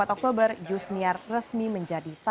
dua puluh empat oktober yusniar resmi menjadi perempuan